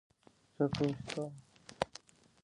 睇返個畫面當時嗰位防暴警用咗少少武力